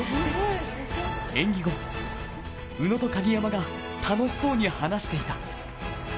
演技後、宇野と鍵山が楽しそうに話していた。